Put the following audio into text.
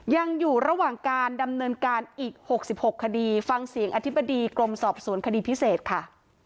ยังอยู่ระหว่างการดำเนินการอีก๖๖คดีฟังเสียงอธิบดีกรมสอบสวนคดีพิเศษค่ะ